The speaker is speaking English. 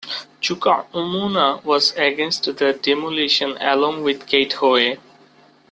Chuka Umunna was against the demolition, along with Kate Hoey.